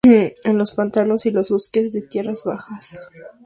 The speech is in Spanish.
En los pantanos y los bosques de tierras bajas.